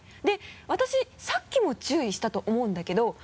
で私さっきも注意したと思うんだけど。